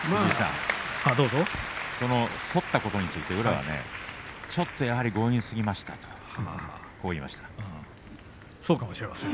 反ったことについて、宇良はちょっとやはり強引すぎましたとこう言いました。